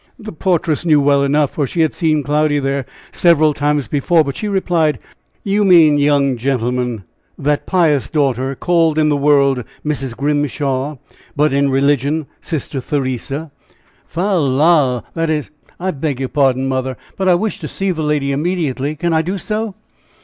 The portress knew well enough, for she had seen Cloudy there several times before, but she replied: "You mean, young gentleman, that pious daughter, called in the world Mrs. Grimshaw, but in religion Sister Theresa?" "Fal lal! that is I beg your pardon, Mother, but I wish to see the lady immediately. Can I do so?"